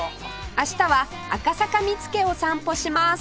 明日は赤坂見附を散歩します